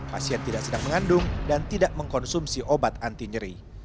pasien tidak sedang mengandung dan tidak mengkonsumsi obat anti nyeri